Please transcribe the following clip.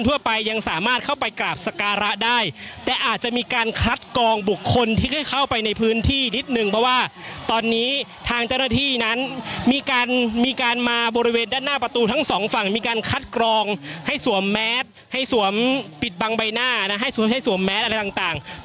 ทางเจ้าหน้าที่นั้นมีการมาบริเวณด้านหน้าประตูทั้งสองฝั่งมีการคัดกรองให้สวมแมท